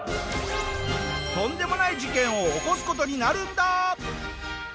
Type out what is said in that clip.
とんでもない事件を起こす事になるんだ！